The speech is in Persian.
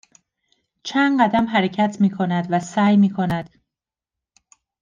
چند قدم حرکت میکند و سعی میکند